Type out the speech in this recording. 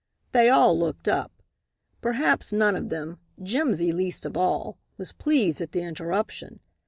They all looked up. Perhaps none of them Jimsy least of all was pleased at the interruption.